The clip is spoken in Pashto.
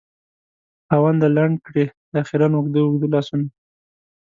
خاونده! لنډ کړې دا خیرن اوږده اوږده لاسونه